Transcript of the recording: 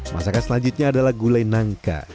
masakan selanjutnya adalah gulai nangka